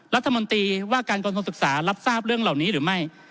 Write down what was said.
รัฐมนตรีว่าการกระทรวงศึกษารับทราบเรื่องเหล่านี้หรือไม่